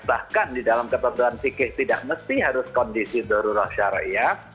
bahkan di dalam ketentuan fikih tidak mesti harus kondisi dorurah syariah